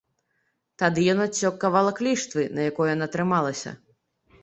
Тады ён адсек кавалак ліштвы, на якой яна трымалася.